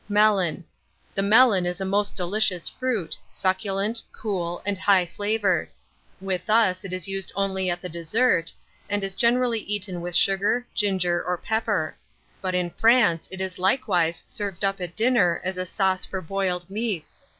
MELON. The melon is a most delicious fruit, succulent, cool, and high flavoured. With us, it is used only at the dessert, and is generally eaten with sugar, ginger, or pepper; but, in France, it is likewise served up at dinner as a sauce for boiled meats.